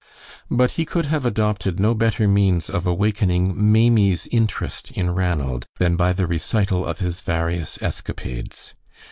But he could have adopted no better means of awakening Maimie's interest in Ranald than by the recital of his various escapades.